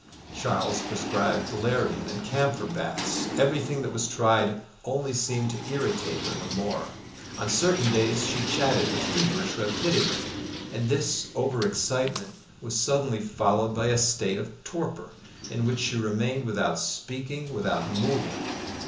Charles prescribed valerian and camphor baths. Everything that was tried only seemed to irritate her the more. On certain days she chatted with feverish rapidity, and this over excitement was suddenly followed by a state of torpor, in which she remained without speaking, without moving.